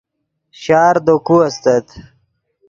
شار دے کو استت